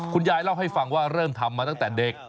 เล่าให้ฟังว่าเริ่มทำมาตั้งแต่เด็ก